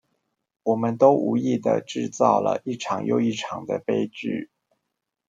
我們都無意的製造了一場又一場的悲劇